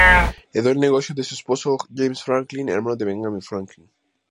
Heredó el negocio de su esposo, James Franklin, hermano de Benjamin Franklin.